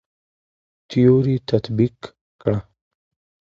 تيوري تطبيق کړه.